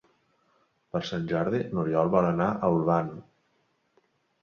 Per Sant Jordi n'Oriol vol anar a Olvan.